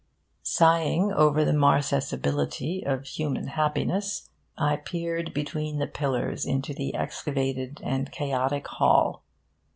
Sighing over the marcescibility of human happiness, I peered between the pillars into the excavated and chaotic hall.